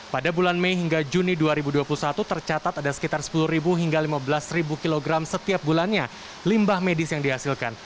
pada bulan mei hingga juni dua ribu dua puluh satu tercatat ada sekitar sepuluh hingga lima belas kg setiap bulannya limbah medis yang dihasilkan